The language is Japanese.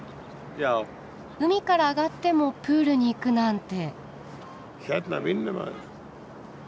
海から上がってもプールに行くなんて。